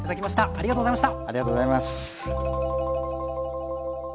ありがとうございます。